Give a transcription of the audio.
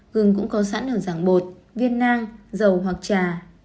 gừng cũng có sẵn ở giảng bột viên nang dầu hoặc trà